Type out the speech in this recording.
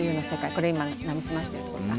これ今成り済ましているところ。